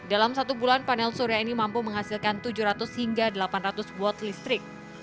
dalam satu bulan panel surya ini mampu menghasilkan tujuh ratus hingga delapan ratus watt listrik